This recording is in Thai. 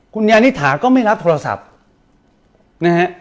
คุณยานิถาก็ไม่รับโทรศัพท์นะฮะ